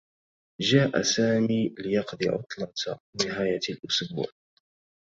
جاء سامي ليقضي عطلة نهاية الأسبوع.